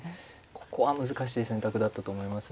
ここは難しい選択だったと思いますね。